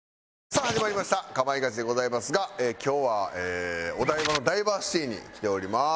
さあ始まりました『かまいガチ』でございますが今日はお台場のダイバーシティに来ております。